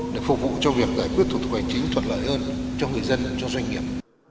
để phục vụ cho việc giải quyết thủ tục hành chính thuận lợi hơn cho người dân cho doanh nghiệp